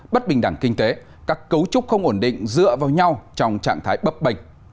bất bình đẳng kinh tế các cấu trúc không ổn định dựa vào nhau trong trạng thái bấp bềnh